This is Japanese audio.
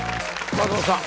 松本さん